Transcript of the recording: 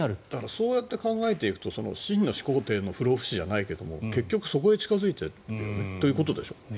そうやって考えていくと秦の始皇帝の不老不死じゃないけど結局そこへ近付いているということでしょ？